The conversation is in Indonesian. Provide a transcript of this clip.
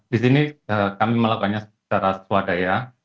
di sini kami melakukannya secara swadaya